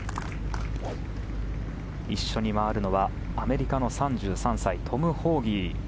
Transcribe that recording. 一緒に回るのはアメリカの３３歳トム・ホーギー。